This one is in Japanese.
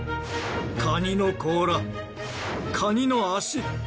カニの甲羅カニの脚